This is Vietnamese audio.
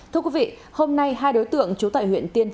thưa quý vị hôm nay hai đối tượng trú tại huyện tiên